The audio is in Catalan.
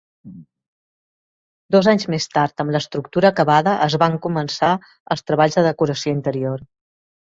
Dos anys més tard, amb l'estructura acabada, es van començar els treballs de decoració interior.